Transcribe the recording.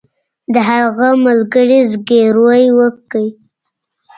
د هغه ملګري زګیروی وکړ